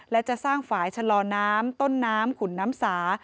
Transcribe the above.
และจะสร้างฝ่ายชะลอน้ำต้นน้ำขุนน้ำสา